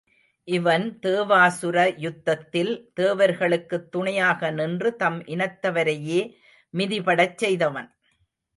இவன் தேவாசுரயுத்தத்தில் தேவர்களுக்குத் துணையாக நின்று தம் இனத்தவரையே மிதிபடச் செய்தவன்.